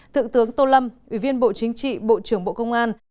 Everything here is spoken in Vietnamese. thượng tướng tô lâm ủy viên bộ chính trị bộ trưởng bộ công an